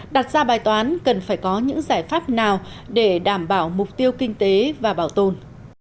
đặt ra bài toán cần phải có những giải pháp nào để đảm bảo mục tiêu kinh tế và bảo tồn